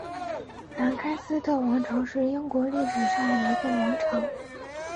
兰开斯特王朝是英国历史上的一个王朝。